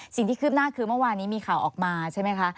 คืบหน้าคือเมื่อวานนี้มีข่าวออกมาใช่ไหมคะ